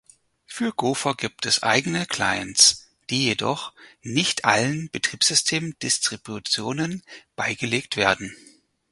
Für Gopher gibt es eigene Clients, die jedoch nicht allen Betriebssystem-Distributionen beigelegt werden.